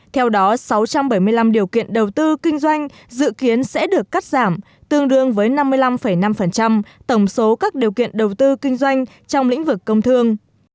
theo đó sáu trăm bảy mươi năm điều kiện đầu tư kinh doanh dự kiến sẽ được cắt giảm tương đương với năm mươi năm năm tổng số các điều kiện đầu tư kinh doanh trong lĩnh vực công thương